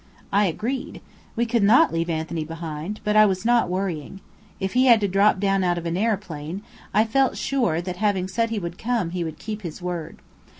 I agreed. We could not leave Anthony behind, but I was not worrying. If he had to drop down out of an aeroplane, I felt sure that having said he would come, he would keep his word.